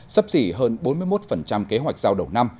sấp xỉ hơn bốn mươi một kế hoạch giao đầu năm